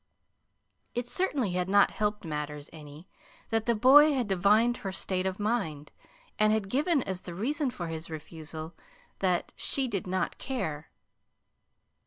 It certainly had not helped matters any that the boy had divined her state of mind, and had given as the reason for his refusal that she "did not care."